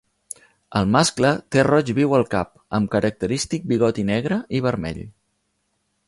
El mascle té roig viu al cap, amb característic bigoti negre i vermell.